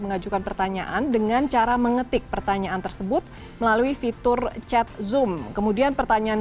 mengajukan pertanyaan dengan cara mengetik pertanyaan tersebut melalui fitur chat zoom kemudian pertanyaan